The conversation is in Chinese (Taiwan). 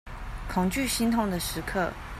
恐懼心痛的時刻